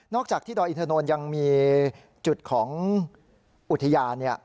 จากที่ดอยอินทนนท์ยังมีจุดของอุทยาน